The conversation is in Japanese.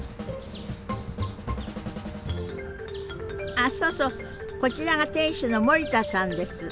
あそうそうこちらが店主の森田さんです。